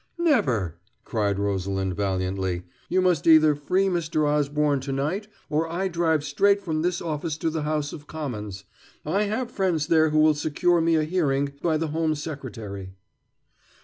"Never!" cried Rosalind valiantly. "You must either free Mr. Osborne to night or I drive straight from this office to the House of Commons. I have friends there who will secure me a hearing by the Home Secretary."